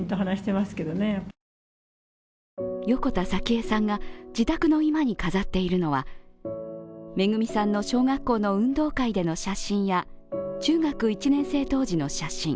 横田早紀江さんが自宅の居間に飾っているのはめぐみさんの小学校の運動会での写真や中学１年生当時の写真。